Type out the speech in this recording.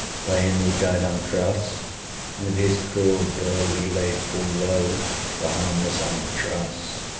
By him who died on cross, With his cruel bow he laid full low, The harmless Albatross.